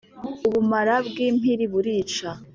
ubumara bw impiri burica